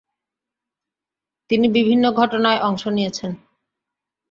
তিনি বিভিন্ন ঘটনায় অংশ নিয়েছেন।